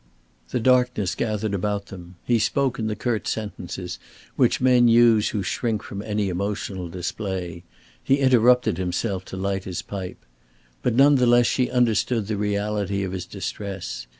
The darkness gathered about them; he spoke in the curt sentences which men use who shrink from any emotional display; he interrupted himself to light his pipe. But none the less she understood the reality of his distress.